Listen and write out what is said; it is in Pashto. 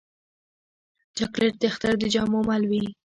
چاکلېټ د اختر د جامو مل وي.